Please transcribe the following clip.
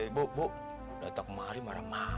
ibu bu datang kemari marah marah